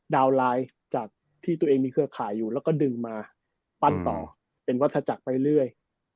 ไลน์จากที่ตัวเองมีเครือข่ายอยู่แล้วก็ดึงมาปั้นต่อเป็นวัฒนาจักรไปเรื่อย